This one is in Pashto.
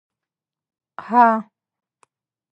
_هه!